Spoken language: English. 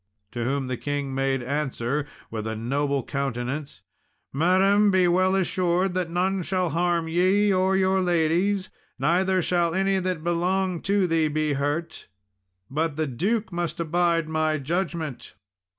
To whom the king made answer, with a noble countenance, "Madam, be well assured that none shall harm ye, or your ladies; neither shall any that belong to thee be hurt; but the Duke must abide my judgment."